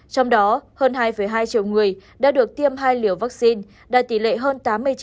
trong đó hơn hai hai triệu người đã được tiêm hai liều vaccine đạt tỷ lệ hơn tám mươi chín